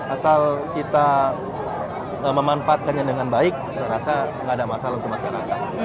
asal kita memanfaatkannya dengan baik saya rasa tidak ada masalah untuk masyarakat